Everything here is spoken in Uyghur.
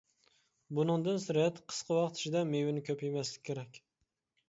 بۇنىڭدىن سىرت، قىسقا ۋاقىت ئىچىدە مېۋىنى كۆپ يېمەسلىك كېرەك.